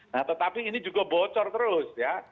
nah tetapi ini juga bocor terus ya